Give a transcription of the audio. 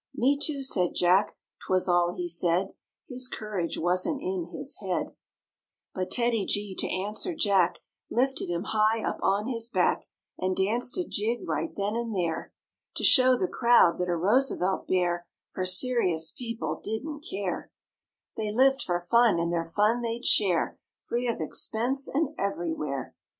"Me too," said Jack; 'twas all he said; His courage wasn't in his head; MORE ABOUT THE ROOSEVELT BEARS But TEDDY G to answer Jack Lifted him high up on his back And danced a jig right then and there To show the crowd that a Roosevelt Bear For serious people didn't care; They lived for fun and their fun they'd share Free of expense and everywhere.